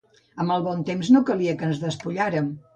Amb el bon temps, no calia que ens despullàrem.